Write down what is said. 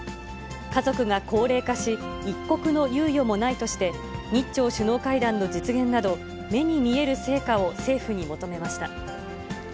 家族が高齢化し、一刻の猶予もないとして、日朝首脳会談の実現など、目に見える成果を政府に求めました。